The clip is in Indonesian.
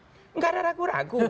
tidak ada ragu ragu